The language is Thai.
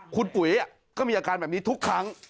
คุณปุ๋ยก็มีอาการแบบนี้ทุกครั้ง